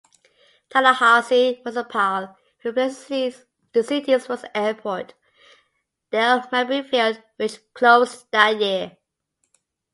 Tallahassee Municipal replaced the city's first airport, Dale Mabry Field, which closed that year.